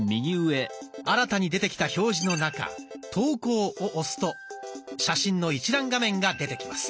新たに出てきた表示の中「投稿」を押すと写真の一覧画面が出てきます。